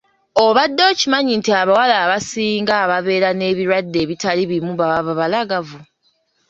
Obadde okimanyi nti abawala abasinga ababeera n'ebirwadde ebitali bimu baba babalagavu?